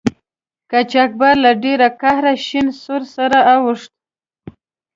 قاچاقبر له ډیره قهره شین سور سره اوښته.